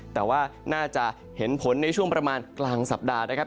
แต่ว่าน่าจะเห็นผลในช่วงประมาณกลางสัปดาห์นะครับ